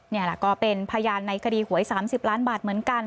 นี่แหละก็เป็นพยานในคดีหวย๓๐ล้านบาทเหมือนกัน